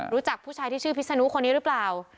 รู้จักผู้ชายที่ชื่อพิษนุคนนี้หรือเปล่า